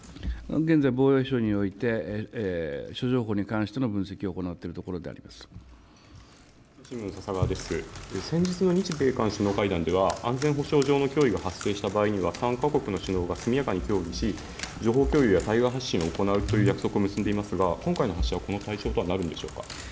現在、防衛省において、諸情報に関しての分析を行っていると先日の日米韓首脳会談では、安全保障上の脅威が発生した場合には、３か国の首脳が速やかに協議し、情報共有や対外発信を行うという約束を結んでいますが、今回の発射はこの対象となるんでしょうか。